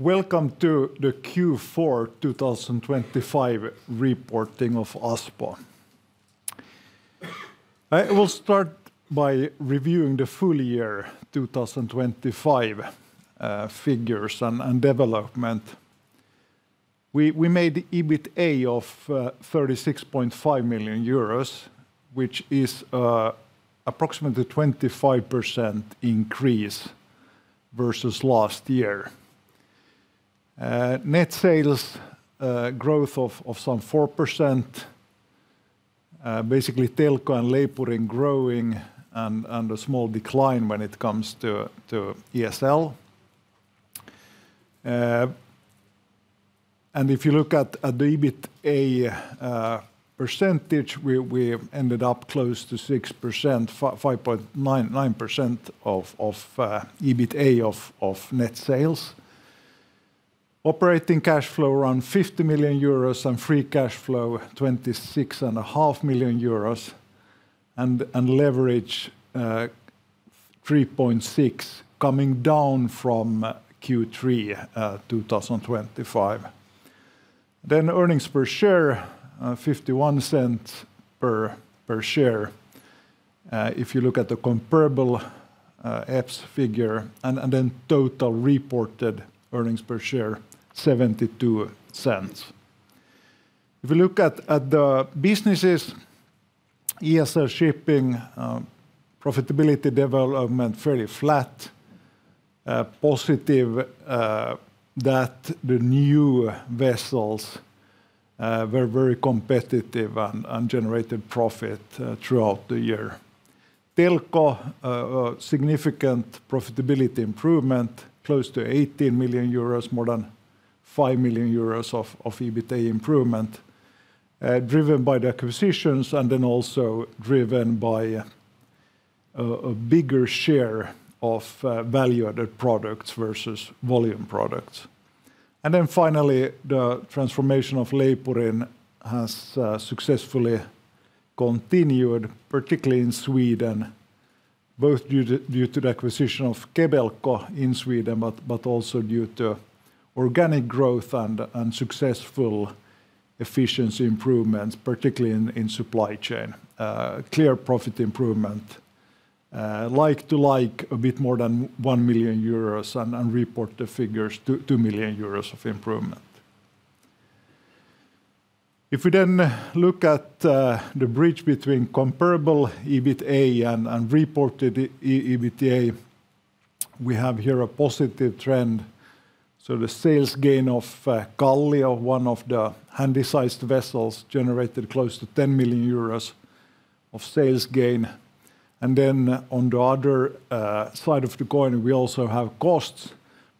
Welcome to the Q4 2025 reporting of Aspo. I will start by reviewing the full year 2025 figures and development. We made EBITA of 36.5 million euros, which is approximately 25% increase versus last year. Net sales growth of some 4%, basically Telko and Leipurin growing and a small decline when it comes to ESL. And if you look at the EBITA percentage, we ended up close to 6%, 5.99% of EBITA of net sales. Operating cash flow around 50 million euros and free cash flow 26.5 million euros, and leverage 3.6, coming down from Q3 2025. Then earnings per share 0.51 per share. If you look at the comparable EPS figure, and then total reported earnings per share, €0.72. If you look at the businesses, ESL Shipping profitability development fairly flat. Positive that the new vessels were very competitive and generated profit throughout the year. Telko significant profitability improvement, close to 18 million euros, more than 5 million euros of EBITA improvement, driven by the acquisitions and then also driven by a bigger share of value-added products versus volume products. And then finally, the transformation of Leipurin has successfully continued, particularly in Sweden, both due to the acquisition of Kebelko in Sweden, but also due to organic growth and successful efficiency improvements, particularly in supply chain. Clear profit improvement like-to-like a bit more than 1 million euros and reported figures to 2 million euros of improvement. If we then look at the bridge between comparable EBITA and reported EBITA, we have here a positive trend, so the sales gain of Kallio, one of the handy-sized vessels, generated close to 10 million euros of sales gain. And then on the other side of the coin, we also have costs,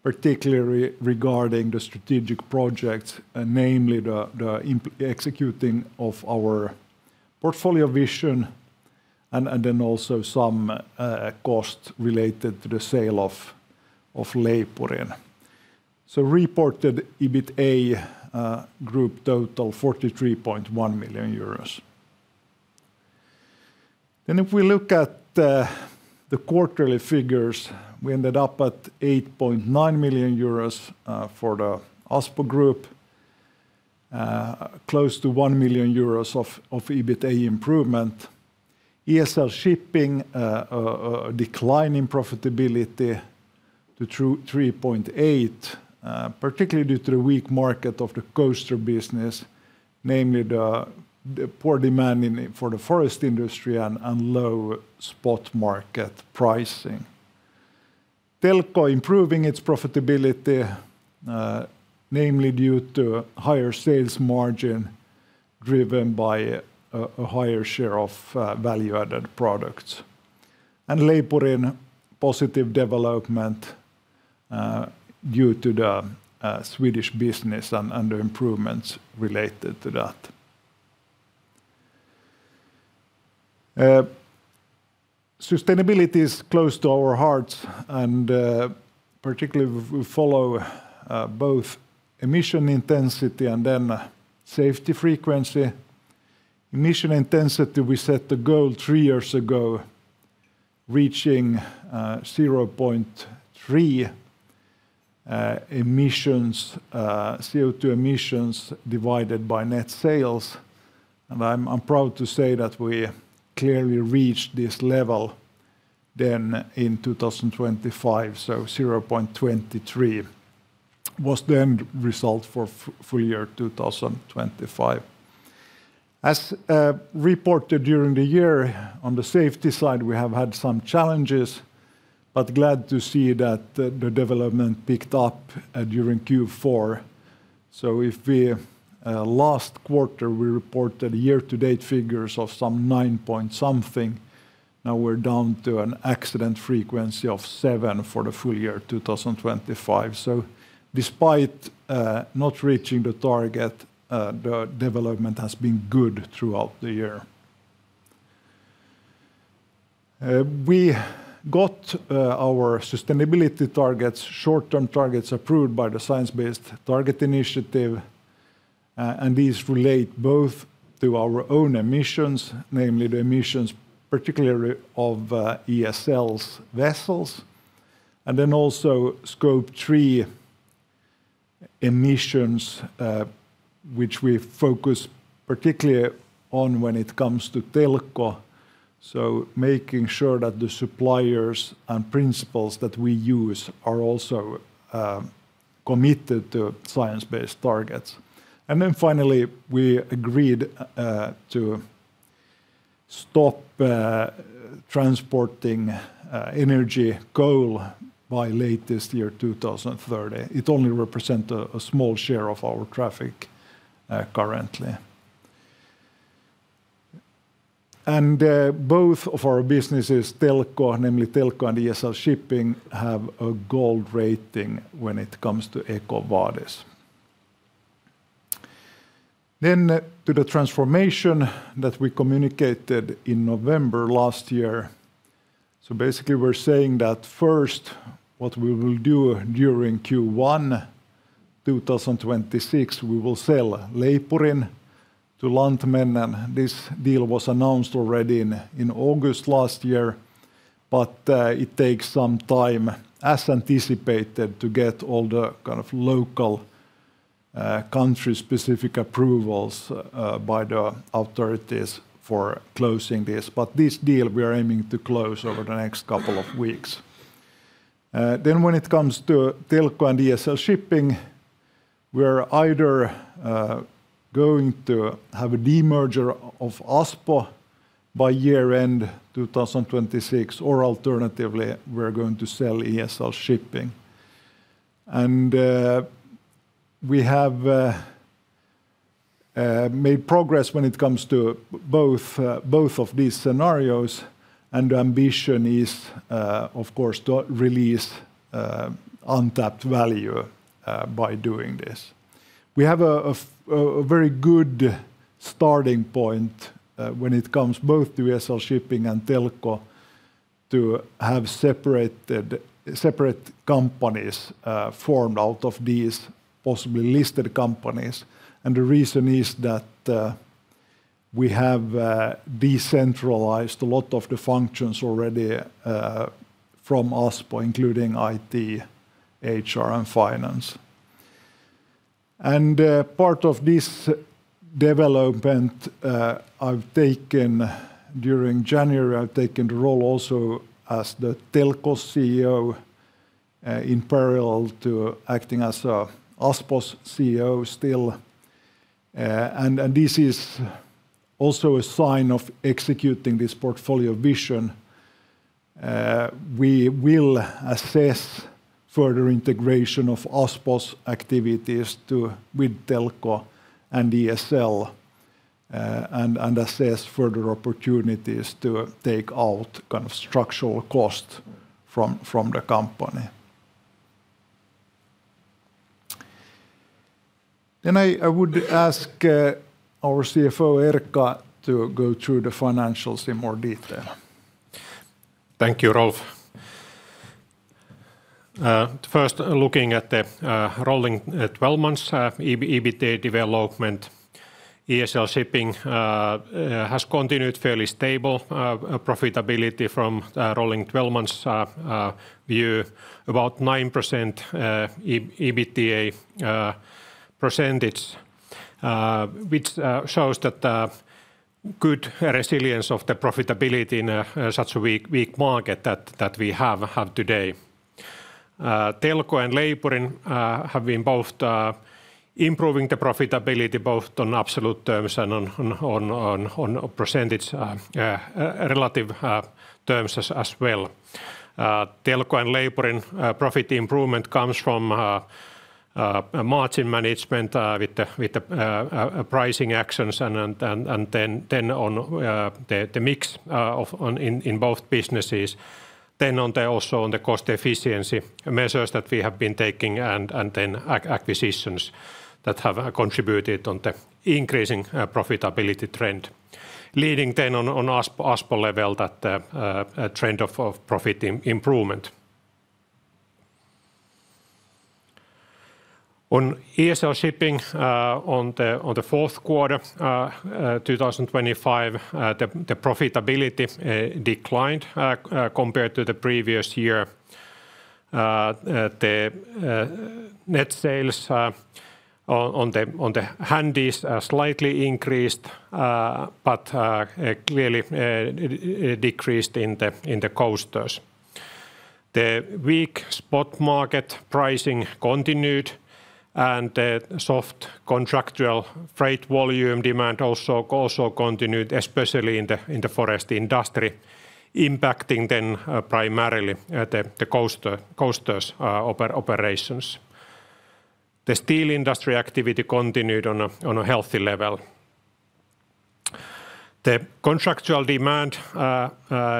particularly regarding the strategic projects, namely the executing of our portfolio vision and then also some cost related to the sale of Leipurin. So reported EBITA group total 43.1 million euros. Then if we look at the quarterly figures, we ended up at 8.9 million euros for the Aspo Group, close to 1 million euros of EBITA improvement. ESL Shipping, a decline in profitability to 3.8, particularly due to the weak market of the coaster business, namely the poor demand for the forest industry and low spot market pricing. Telko improving its profitability, namely due to higher sales margin, driven by a higher share of value-added products. And Leipurin, positive development due to the Swedish business and the improvements related to that. Sustainability is close to our hearts, and particularly we follow both emission intensity and then safety frequency. Emission intensity, we set the goal three years ago, reaching 0.3 emissions, CO2 emissions divided by net sales, and I'm proud to say that we clearly reached this level then in 2025. So 0.23 was the end result for full year 2025. As reported during the year, on the safety side, we have had some challenges, but glad to see that the development picked up during Q4. So if we last quarter, we reported year-to-date figures of some 9.something, now we're down to an accident frequency of 7 for the full year 2025. So despite not reaching the target, the development has been good throughout the year. We got our sustainability targets, short-term targets, approved by the Science Based Targets initiative.... and these relate both to our own emissions, namely the emissions particularly of ESL's vessels, and then also Scope 3 emissions, which we focus particularly on when it comes to Telko. So making sure that the suppliers and principals that we use are also committed to science-based targets. And then finally, we agreed to stop transporting energy coal by latest 2030. It only represents a small share of our traffic currently. And both of our businesses, Telko, namely Telko and ESL Shipping, have a gold rating when it comes to EcoVadis. Then to the transformation that we communicated in November last year. So basically, we're saying that first, what we will do during Q1 2026, we will sell Leipurin to Lantmännen, and this deal was announced already in August last year. But it takes some time, as anticipated, to get all the kind of local country-specific approvals by the authorities for closing this. But this deal we are aiming to close over the next couple of weeks. Then when it comes to Telko and ESL Shipping, we're either going to have a demerger of Aspo by year-end 2026, or alternatively, we're going to sell ESL Shipping. And we have made progress when it comes to both of these scenarios, and the ambition is, of course, to release untapped value by doing this. We have a very good starting point when it comes to both ESL Shipping and Telko, to have separated... separate companies formed out of these possibly listed companies. The reason is that we have decentralized a lot of the functions already from Aspo, including IT, HR, and finance. Part of this development, I've taken during January the role also as the Telko CEO in parallel to acting as Aspo's CEO still. This is also a sign of executing this portfolio vision. We will assess further integration of Aspo's activities to with Telko and ESL and assess further opportunities to take out kind of structural cost from the company. I would ask our CFO, Erkka, to go through the financials in more detail. Thank you, Rolf. First, looking at the rolling 12 months EBITDA development, ESL Shipping has continued fairly stable profitability from rolling 12 months view, about 9% EBITDA percentage, which shows that good resilience of the profitability in a such a weak market that we have had today. Telko and Leipurin have both been improving the profitability, both on absolute terms and on percentage relative terms as well. Telko and Leipurin profit improvement comes from margin management with the pricing actions and then on the mix of on in both businesses. Then on the... Also on the cost efficiency measures that we have been taking, and acquisitions that have contributed on the increasing profitability trend, leading then on Aspo level that trend of profit improvement. On ESL Shipping, on the Q4 2025, the profitability declined compared to the previous year. The net sales on the handys slightly increased, but clearly decreased in the coasters. The weak spot market pricing continued, and the soft contractual freight volume demand also continued, especially in the forest industry, impacting then primarily the coaster operations. The steel industry activity continued on a healthy level. The contractual demand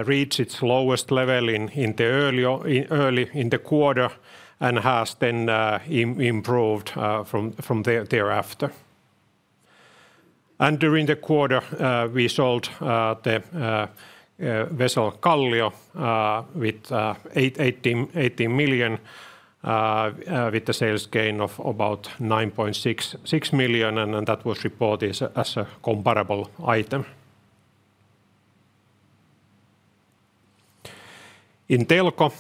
reached its lowest level in the early or in early in the quarter and has then improved from there thereafter... And during the quarter, we sold the vessel Kallio with 18 million with the sales gain of about 9.6 million, and then that was reported as a comparable item. In Telko,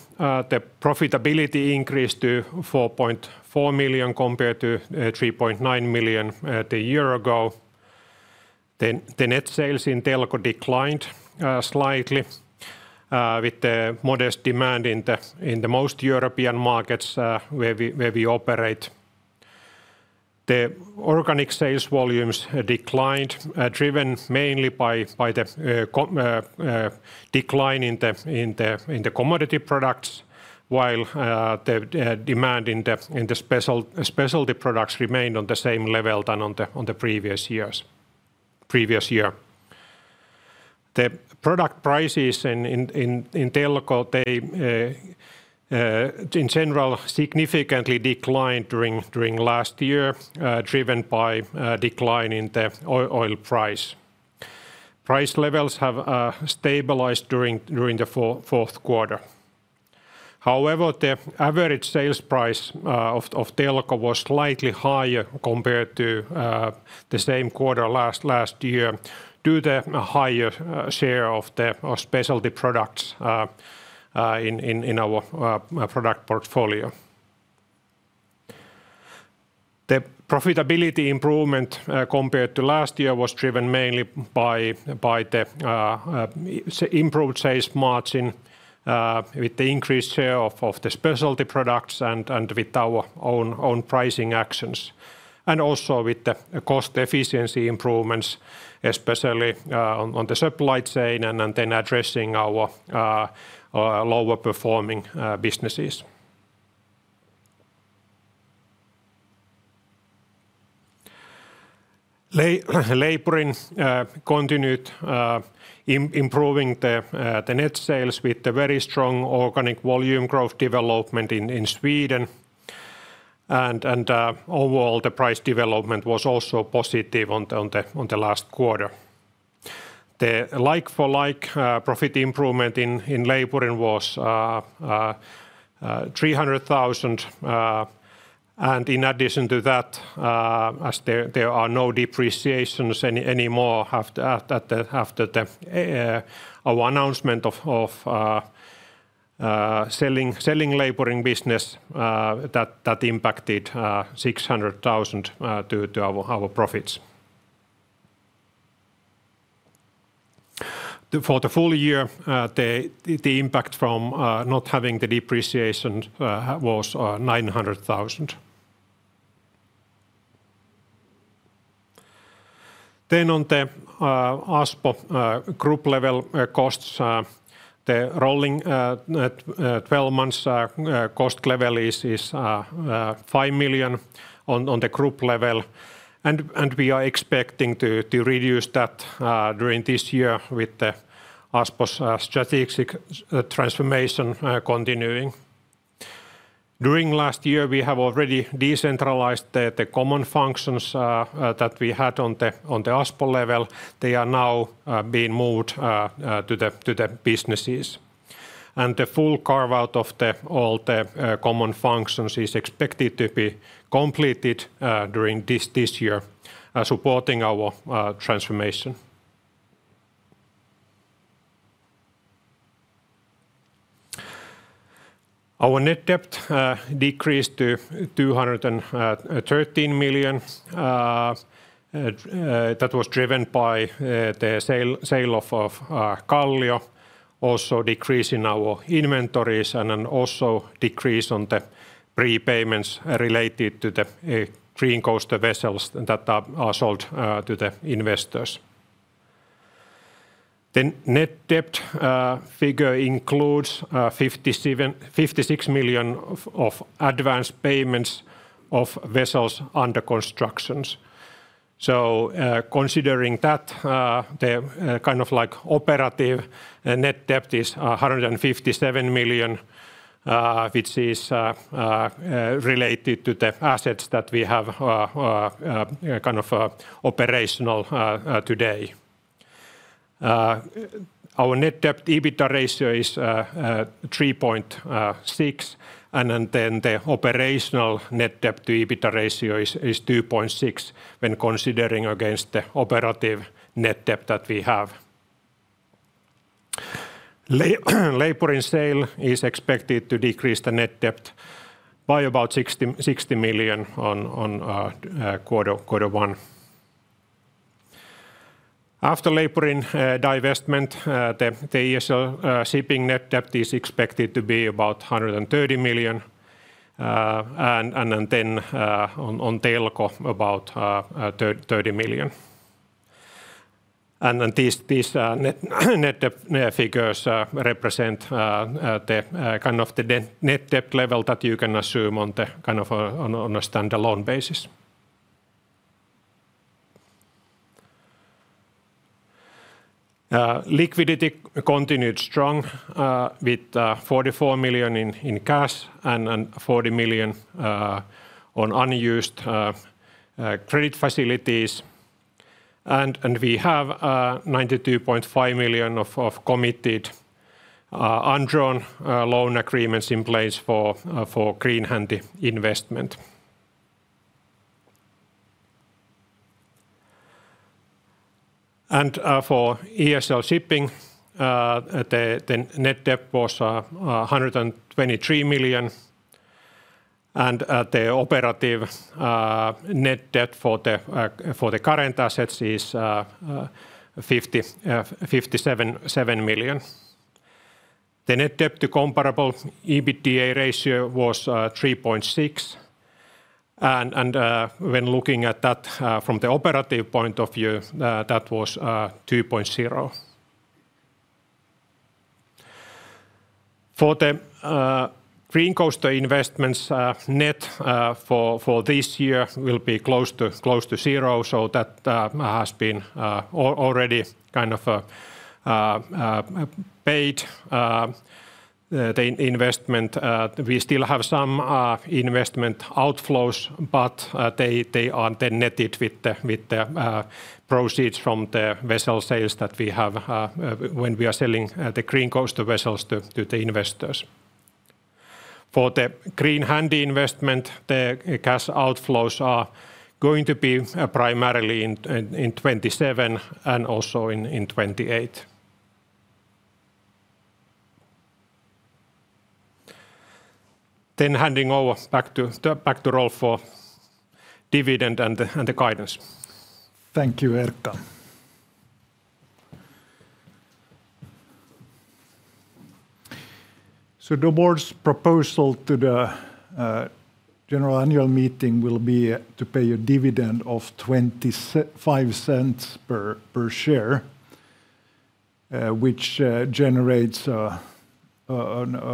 the profitability increased to 4.4 million compared to 3.9 million the year ago. Then the net sales in Telko declined slightly with the modest demand in the most European markets where we operate. The organic sales volumes declined, driven mainly by the decline in the commodity products, while the demand in the specialty products remained on the same level than on the previous year. The product prices in Telko in general significantly declined during last year, driven by decline in the oil price. Price levels have stabilized during the Q4. However, the average sales price of Telko was slightly higher compared to the same quarter last year, due to a higher share of the specialty products in our product portfolio. The profitability improvement compared to last year was driven mainly by the improved sales margin with the increased share of the specialty products and with our own pricing actions, and also with the cost efficiency improvements, especially on the supply chain and then addressing our lower-performing businesses. Leipurin continued improving the net sales with the very strong organic volume growth development in Sweden. Overall, the price development was also positive on the last quarter. The like-for-like profit improvement in Leipurin was 300 thousand, and in addition to that, as there are no depreciations anymore after our announcement of selling Leipurin business, that impacted 600 thousand to our profits. For the full year, the impact from not having the depreciation was EUR 900 thousand. Then on the Aspo Group-level costs, the rolling 12 months cost level is 5 million on the group level, and we are expecting to reduce that during this year with the Aspo's strategic transformation continuing. During last year, we have already decentralized the common functions that we had on the Aspo level. They are now being moved to the businesses. The full carve-out of all the common functions is expected to be completed during this year, supporting our transformation. Our net debt decreased to 213 million. That was driven by the sale of Kallio, also decrease in our inventories, and then also decrease on the prepayments related to the Green Coaster vessels that are sold to the investors. The net debt figure includes 56 million of advanced payments of vessels under construction. So, considering that, the kind of like operative net debt is 157 million, which is related to the assets that we have, kind of operational today. Our net debt EBITDA ratio is 3.6, and then the operational net debt to EBITDA ratio is 2.6 when considering against the operative net debt that we have. Leipurin sale is expected to decrease the net debt by about 60 million in quarter one. After Leipurin divestment, the ESL Shipping net debt is expected to be about 130 million, and then on Telko, about EUR 30 million. Then these net debt figures represent the kind of net debt level that you can assume on a kind of standalone basis. Liquidity continued strong with 44 million in cash and 40 million on unused credit facilities. We have 92.5 million of committed undrawn loan agreements in place for Green Handy investment. For ESL Shipping the net debt was 123 million, and the operative net debt for the current assets is 57 million. The net debt to comparable EBITDA ratio was 3.6, and when looking at that from the operative point of view, that was 2.0. For the Green Coaster investments, net for this year will be close to 0, so that has been already kind of paid, the investment. We still have some investment outflows, but they are then netted with the proceeds from the vessel sales that we have when we are selling the Green Coaster vessels to the investors. For the Green Handy investment, the cash outflows are going to be primarily in 2027 and also in 2028. Then handing over back to Rolf for dividend and the guidance. Thank you, Erkka. The board's proposal to the general annual meeting will be to pay a dividend of 0.25 per share, which generates a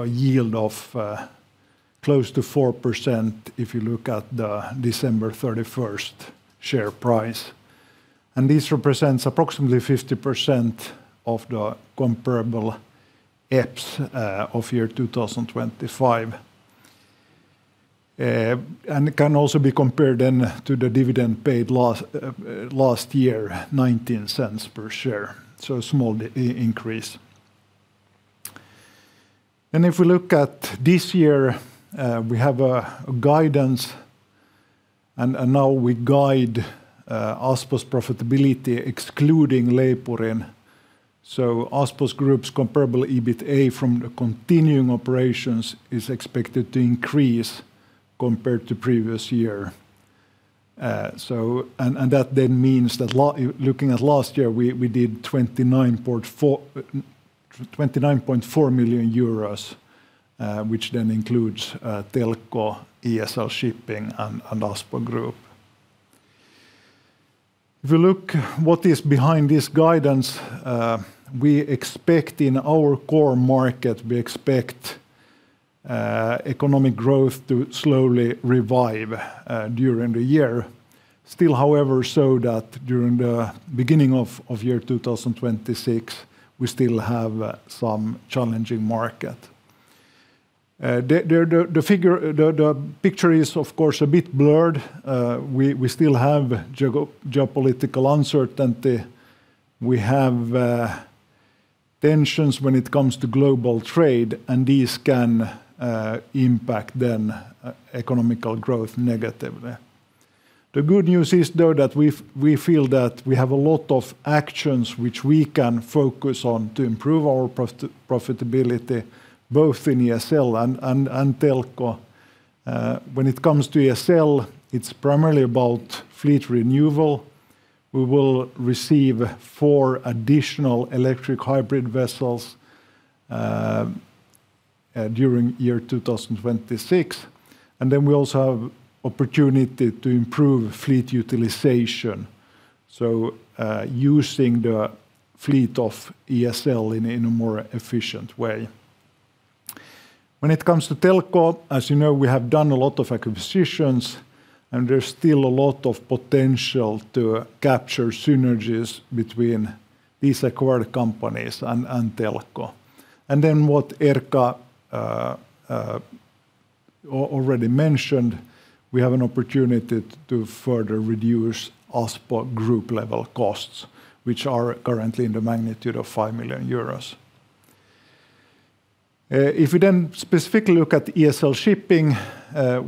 yield of close to 4% if you look at the December 31 share price. This represents approximately 50% of the comparable EPS of year 2025. It can also be compared then to the dividend paid last year, 0.19 per share, so a small decrease. If we look at this year, we have a guidance, and now we guide Aspo's profitability, excluding Leipurin. So Aspo Group's comparable EBITA from the continuing operations is expected to increase compared to previous year. That then means that la... Looking at last year, we did 29.4, EUR 29.4 million, which then includes Telko, ESL Shipping, and Aspo Group. If you look what is behind this guidance, we expect in our core market, we expect economic growth to slowly revive during the year. Still, however, so that during the beginning of year 2026, we still have some challenging market. The picture is, of course, a bit blurred. We still have geopolitical uncertainty. We have tensions when it comes to global trade, and these can impact then economic growth negatively. The good news is, though, that we feel that we have a lot of actions which we can focus on to improve our profitability, both in ESL and Telko. When it comes to ESL, it's primarily about fleet renewal. We will receive four additional electric hybrid vessels during 2026, and then we also have opportunity to improve fleet utilization, so using the fleet of ESL in a more efficient way. When it comes to Telko, as you know, we have done a lot of acquisitions, and there's still a lot of potential to capture synergies between these acquired companies and Telko. And then what Erkka already mentioned, we have an opportunity to further reduce Aspo Group level costs, which are currently in the magnitude of 5 million euros. If we then specifically look at ESL Shipping,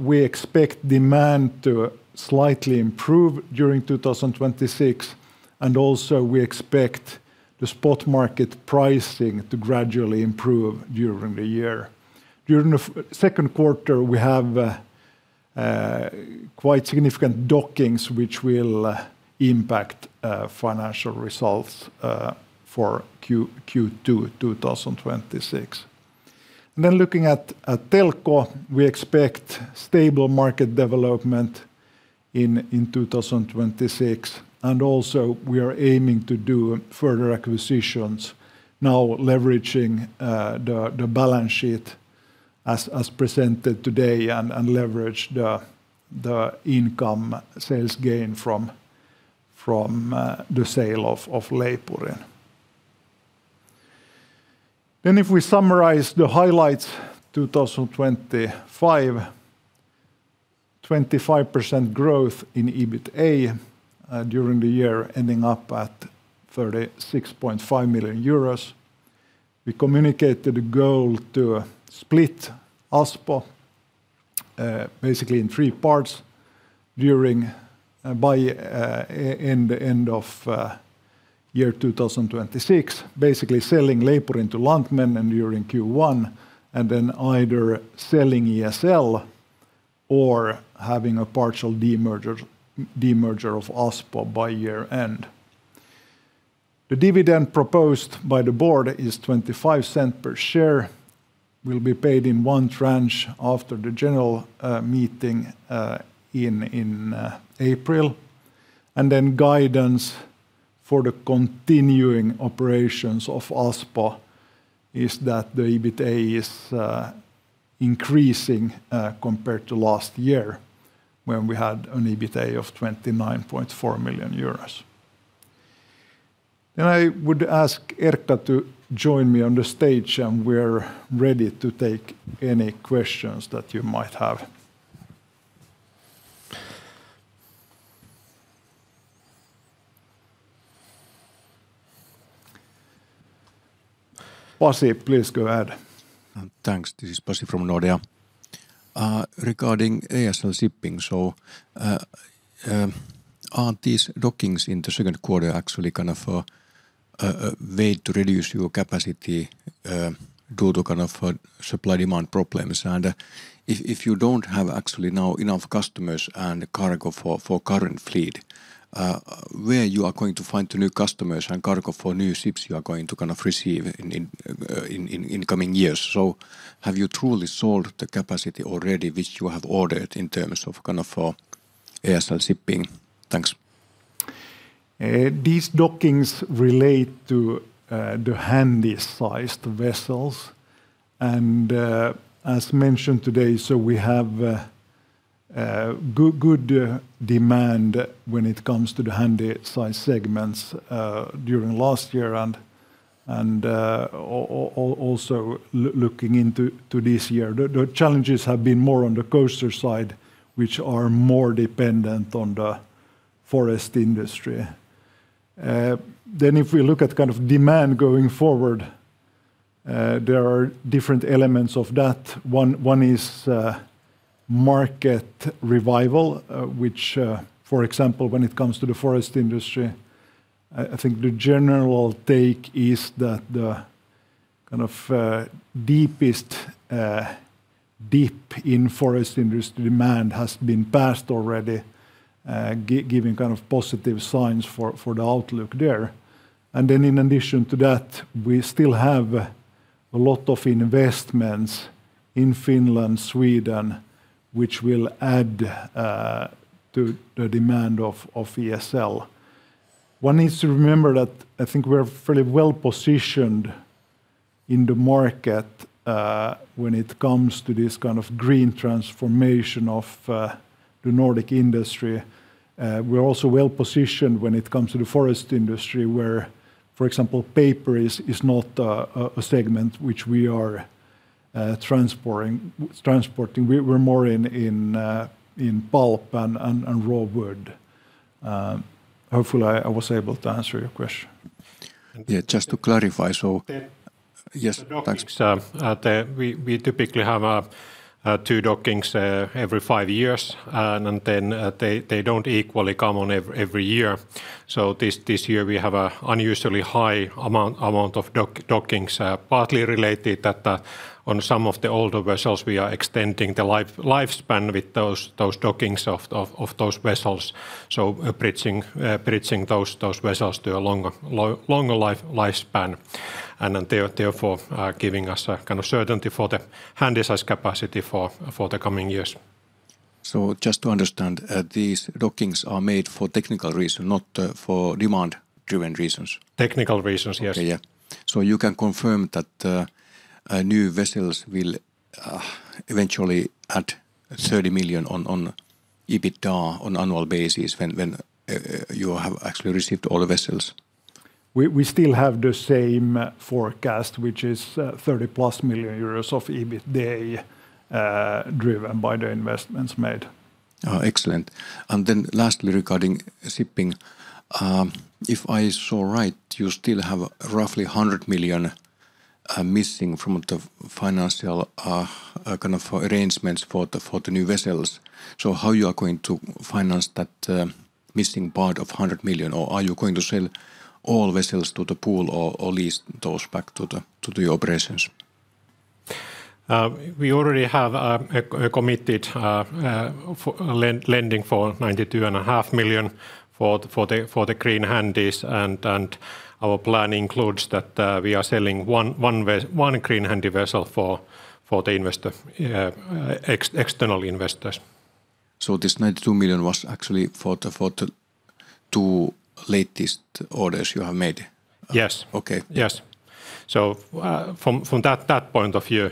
we expect demand to slightly improve during 2026, and also we expect the spot market pricing to gradually improve during the year. During the second quarter, we have quite significant dockings, which will impact financial results for Q2 2026. And then looking at Telko, we expect stable market development in 2026, and also we are aiming to do further acquisitions, now leveraging the balance sheet as presented today and leverage the income sales gain from the sale of Leipurin. Then if we summarize the highlights, 2025, 25% growth in EBITA during the year, ending up at 36.5 million euros. We communicated a goal to split Aspo basically in three parts by the end of 2026. Basically selling Leipurin to Lantmännen during Q1, and then either selling ESL or having a partial demerger of Aspo by year-end. The dividend proposed by the board is 0.25 per share, will be paid in one tranche after the general meeting in April. And then guidance for the continuing operations of Aspo is that the EBITA is increasing compared to last year, when we had an EBITA of 29.4 million euros. Then I would ask Erkka to join me on the stage, and we're ready to take any questions that you might have. Pasi, please go ahead. Thanks. This is Pasi from Nordea. Regarding ESL Shipping, so, are these dockings in the second quarter actually kind of a way to reduce your capacity due to kind of supply-demand problems? And, if you don't have actually now enough customers and cargo for current fleet, where you are going to find the new customers and cargo for new ships you are going to kind of receive in coming years? So have you truly sold the capacity already, which you have ordered in terms of kind of for ESL Shipping? Thanks. These dockings relate to the handysize vessels. As mentioned today, so we have good demand when it comes to the handysize segments during last year, and also looking into this year. The challenges have been more on the coaster side, which are more dependent on the forest industry. If we look at kind of demand going forward, there are different elements of that. One is market revival, which... For example, when it comes to the forest industry, I think the general take is that the kind of deepest dip in forest industry demand has been passed already, giving kind of positive signs for the outlook there. And then in addition to that, we still have a lot of investments in Finland, Sweden, which will add to the demand of ESL. One needs to remember that I think we're fairly well-positioned in the market when it comes to this kind of green transformation of the Nordic industry. We're also well-positioned when it comes to the forest industry, where, for example, paper is not a segment which we are transporting. We're more in pulp and raw wood. Hopefully, I was able to answer your question. Yeah, just to clarify. The- Yes, thanks. The dockings, the... We typically have two dockings every five years, and then they don't equally come on every year. So this year, we have an unusually high amount of dockings, partly related to that, on some of the older vessels, we are extending the lifespan with those dockings of those vessels, so bridging those vessels to a longer lifespan, and then therefore giving us a kind of certainty for the handy-size capacity for the coming years. Just to understand, these dockings are made for technical reason, not for demand-driven reasons? Technical reasons, yes. Okay, yeah. So you can confirm that new vessels will eventually add 30 million on EBITDA on annual basis when you have actually received all the vessels? We still have the same forecast, which is 30+ million euros of EBITA, driven by the investments made. Oh, excellent. Then lastly, regarding shipping, if I saw right, you still have roughly 100 million missing from the financial kind of arrangements for the new vessels. How you are going to finance that missing part of 100 million, or are you going to sell all vessels to the pool or lease those back to the operations? We already have a committed financing for 92.5 million for the Green Handys. And our plan includes that we are selling one Green Handy vessel for external investors. So this 92 million was actually for the two latest orders you have made? Yes. Okay. Yes. So, from that point of view,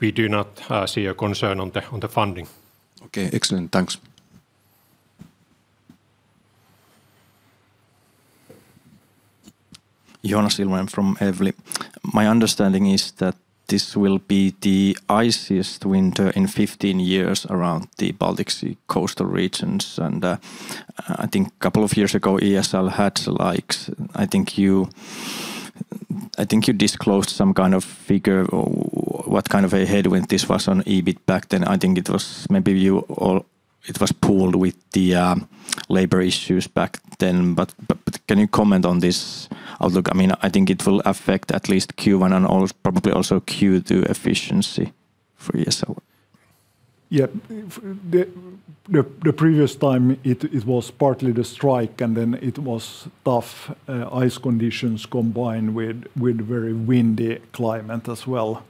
we do not see a concern on the funding. Okay, excellent. Thanks. Joonas Ilvonen from Evli. My understanding is that this will be the iciest winter in 15 years around the Baltic Sea coastal regions, and I think a couple of years ago, ESL had like... I think you disclosed some kind of figure or what kind of a headwind this was on EBIT back then. I think it was maybe you or it was pooled with the labor issues back then, but can you comment on this outlook? I mean, I think it will affect at least Q1 and also probably also Q2 efficiency for ESL. Yeah, the previous time, it was partly the strike, and then it was tough ice conditions combined with very windy climate as well.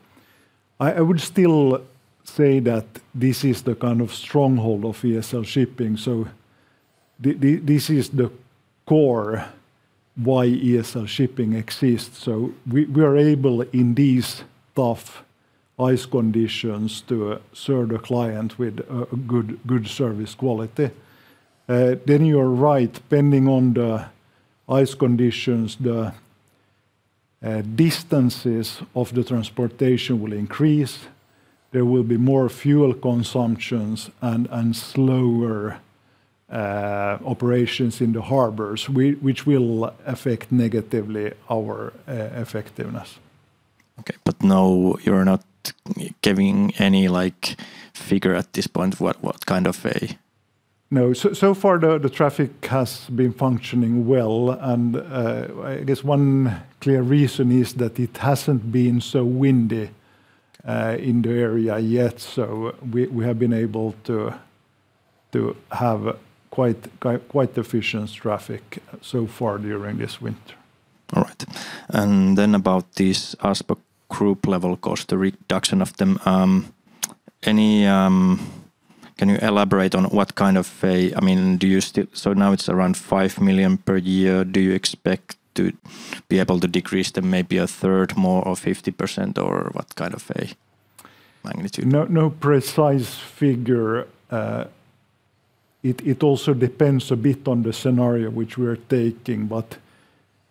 I would still say that this is the kind of stronghold of ESL Shipping, so this is the core why ESL Shipping exists. So we are able, in these tough ice conditions, to serve the client with a good service quality. Then you are right, depending on the ice conditions, the distances of the transportation will increase. There will be more fuel consumptions and slower operations in the harbors, which will affect negatively our effectiveness. Okay, but now you're not giving any, like, figure at this point, what, what kind of a- No. So, so far, the traffic has been functioning well, and I guess one clear reason is that it hasn't been so windy in the area yet. So we have been able to have quite efficient traffic so far during this winter. All right. And then about this Aspo Group level cost, the reduction of them. Can you elaborate on what kind of a... I mean, do you still. So now it's around 5 million per year. Do you expect to be able to decrease them maybe a third more or 50%, or what kind of a magnitude? No, no precise figure. It also depends a bit on the scenario which we are taking, but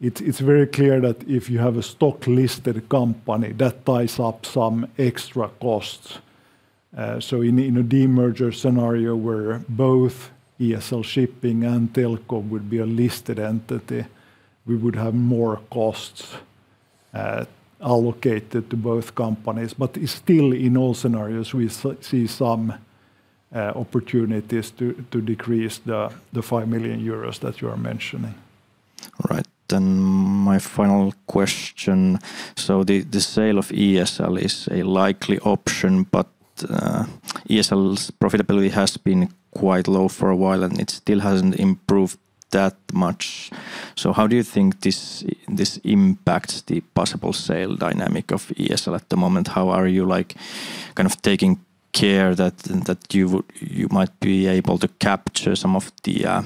it's very clear that if you have a stock-listed company, that ties up some extra costs. So in a demerger scenario where both ESL Shipping and Telko would be a listed entity, we would have more costs allocated to both companies. But still, in all scenarios, we see some opportunities to decrease the 5 million euros that you are mentioning. All right, then my final question: so the sale of ESL is a likely option, but ESL's profitability has been quite low for a while, and it still hasn't improved that much. So how do you think this impacts the possible sale dynamic of ESL at the moment? How are you, like, kind of taking care that you might be able to capture some of the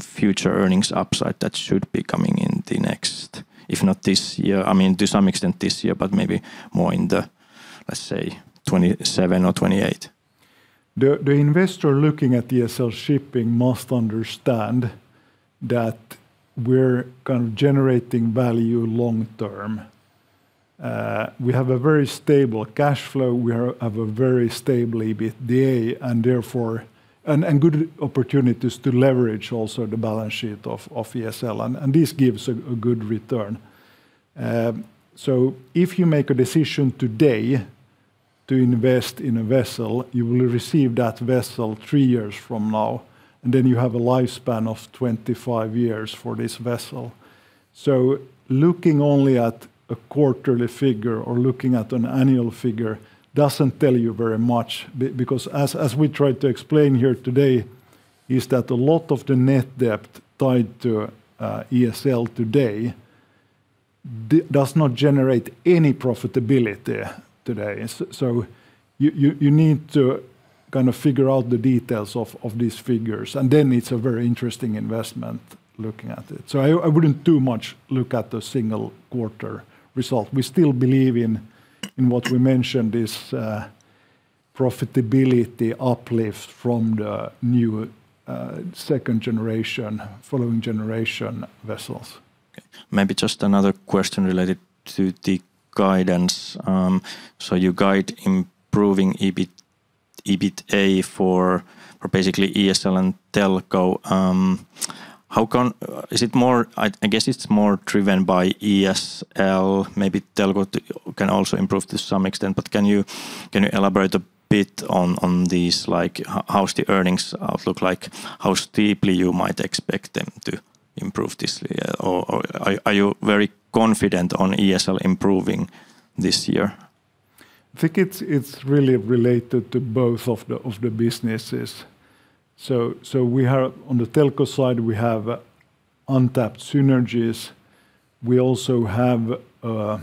future earnings upside that should be coming in the next, if not this year—I mean, to some extent this year, but maybe more in the, let's say, 2027 or 2028? The investor looking at ESL Shipping must understand that we're kind of generating value long term. We have a very stable cash flow. We have a very stable EBITDA, and therefore, and good opportunities to leverage also the balance sheet of ESL, and this gives a good return. So if you make a decision today to invest in a vessel, you will receive that vessel 3 years from now, and then you have a lifespan of 25 years for this vessel. So looking only at a quarterly figure or looking at an annual figure doesn't tell you very much because as we tried to explain here today, is that a lot of the net debt tied to ESL today does not generate any profitability today. So you need to kind of figure out the details of these figures, and then it's a very interesting investment looking at it. So I wouldn't too much look at the single quarter result. We still believe in what we mentioned, this profitability uplift from the new second generation, following generation vessels. Okay, maybe just another question related to the guidance. So you guide improving EBIT, EBITDA for basically ESL and Telko. Is it more, I, I guess it's more driven by ESL. Maybe Telko too can also improve to some extent, but can you, can you elaborate a bit on, on these, like, how's the earnings outlook like? How steeply you might expect them to improve this year? Or, or are you, are you very confident on ESL improving this year? I think it's really related to both of the businesses. So we have... On the Telko side, we have untapped synergies. We also have a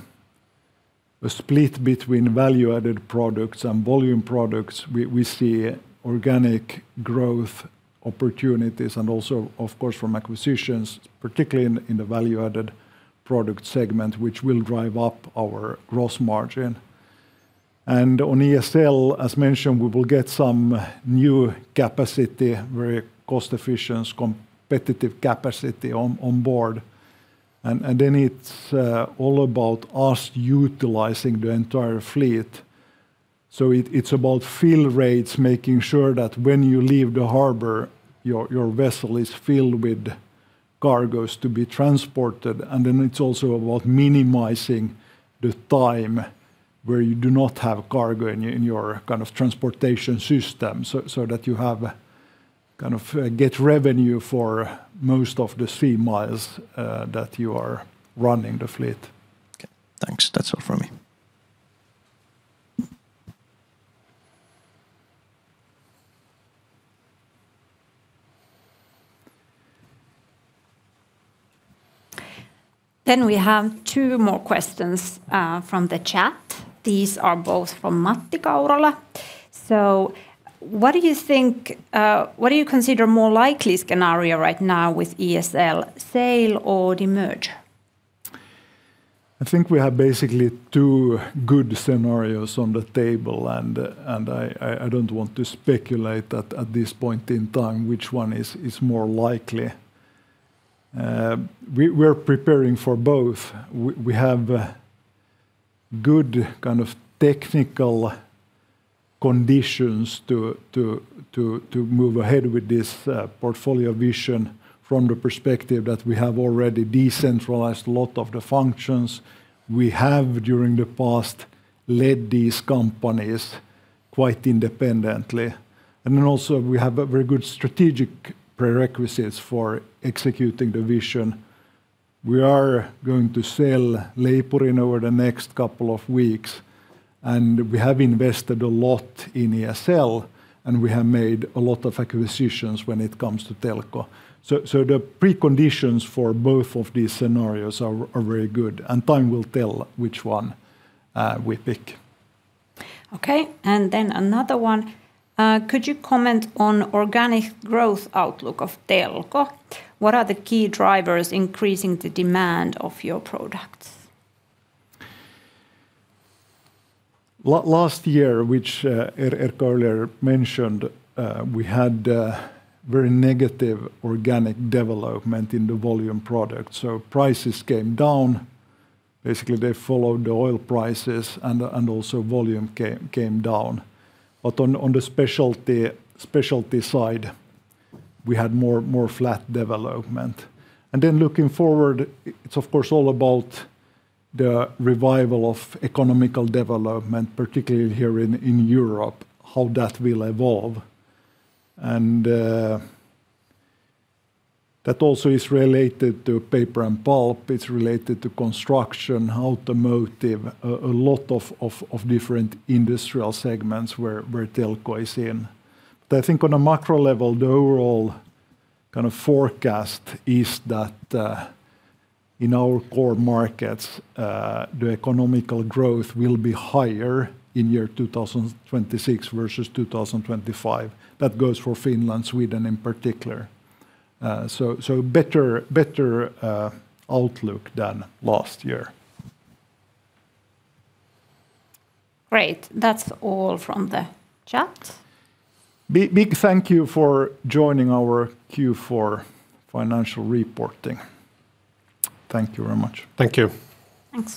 split between value-added products and volume products; we see organic growth opportunities and also, of course, from acquisitions, particularly in the value-added product segment, which will drive up our gross margin. And on ESL, as mentioned, we will get some new capacity, very cost-efficient, competitive capacity on board. And then it's all about us utilizing the entire fleet. So it's about fill rates, making sure that when you leave the harbor, your vessel is filled with cargoes to be transported, and then it's also about minimizing the time where you do not have cargo in your transportation system, so that you have kind of get revenue for most of the sea miles that you are running the fleet. Okay, thanks. That's all from me. Then we have two more questions from the chat. These are both from Matti Kaurola. So what do you think... What do you consider more likely scenario right now with ESL, sale or demerger? I think we have basically two good scenarios on the table, and I don't want to speculate at this point in time which one is more likely. We're preparing for both. We have good kind of technical conditions to move ahead with this portfolio vision from the perspective that we have already decentralized a lot of the functions. We have during the past led these companies quite independently. And then also, we have a very good strategic prerequisites for executing the vision. We are going to sell Leipurin over the next couple of weeks, and we have invested a lot in ESL, and we have made a lot of acquisitions when it comes to Telko. So, the preconditions for both of these scenarios are very good, and time will tell which one we pick. Okay, and then another one. Could you comment on organic growth outlook of Telko? What are the key drivers increasing the demand of your products? Last year, which Erkka earlier mentioned, we had a very negative organic development in the volume product, so prices came down. Basically, they followed the oil prices and also volume came down. But on the specialty side, we had more flat development. And then looking forward, it's of course all about the revival of economical development, particularly here in Europe, how that will evolve. And that also is related to paper and pulp. It's related to construction, automotive, a lot of different industrial segments where Telko is in. But I think on a macro level, the overall kind of forecast is that in our core markets, the economical growth will be higher in year 2026 versus 2025. That goes for Finland, Sweden in particular. So, better outlook than last year. Great! That's all from the chat. Big, big thank you for joining our Q4 financial reporting. Thank you very much. Thank you. Thanks.